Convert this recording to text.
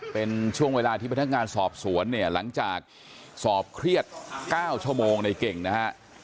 เป็นช่วงเวลาที่พนักงานสอบสวนเนี่ยหลังจากสอบเครียด๙ชั่วโมงในเก่งนะฮะ